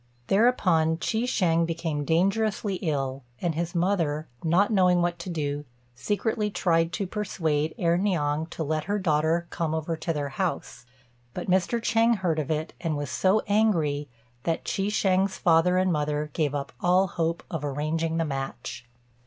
Thereupon Chi shêng became dangerously ill, and his mother, not knowing what to do, secretly tried to persuade Erh niang to let her daughter come over to their house; but Mr. Chêng heard of it, and was so angry that Chi shêng's father and mother gave up all hope of arranging the match.